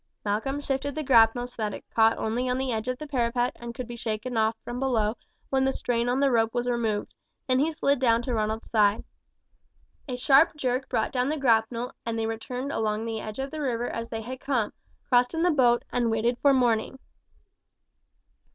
Malcolm shifted the grapnel so that it caught only on the edge of the parapet and could be shaken off from below when the strain on the rope was removed, then he slid down to Ronald's side. A sharp jerk brought down the grapnel, and they returned along the edge of the river as they had come, crossed in the boat, and waited for morning.